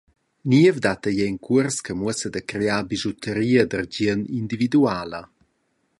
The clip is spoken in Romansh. Niev dat ei era in cuors che muossa da crear bischutaria dad argien individuala.